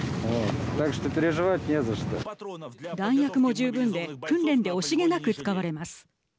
弾薬も十分で訓練で惜しげなく使われます。